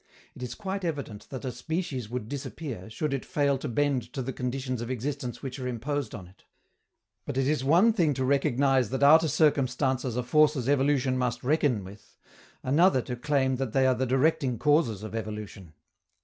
It is quite evident that a species would disappear, should it fail to bend to the conditions of existence which are imposed on it. But it is one thing to recognize that outer circumstances are forces evolution must reckon with, another to claim that they are the directing causes of evolution.